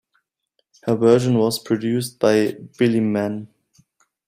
Her version was produced by Billy Mann.